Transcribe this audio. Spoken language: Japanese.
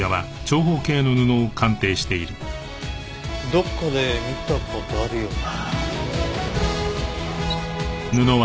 どこかで見た事あるような。